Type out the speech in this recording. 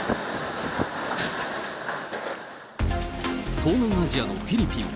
東南アジアのフィリピン。